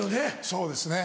そうですね。